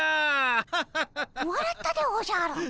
わらったでおじゃる。